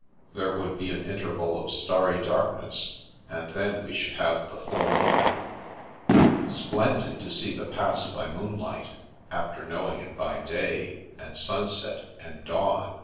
There would be an interval of starry darkness, and then we should have the full moon." " Splendid to see the Pass by moonlight, after knowing it by day, and sunset, and dawn!